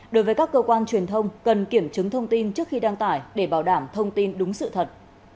đối với các cơ quan truyền thông cần kiểm chứng thông tin trước khi đăng tải để bảo đảm thông tin đúng sự thật